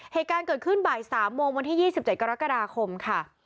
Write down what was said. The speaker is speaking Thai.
เหตุการณ์เกิดขึ้นบ่าย๓โมงวันที่๒๗กรกฎาคมค่ะ